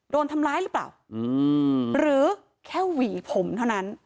โดนทำร้ายหรือเปล่าหรือแค่หวีผมเท่านั้น